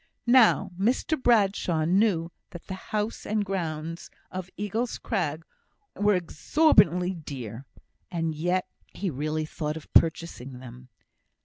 Now, Mr Bradshaw knew that the house and grounds of Eagle's Crag were exorbitantly dear, and yet he really thought of purchasing them.